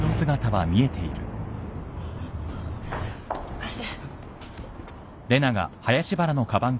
貸して。